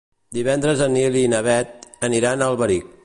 Divendres en Nil i na Bet aniran a Alberic.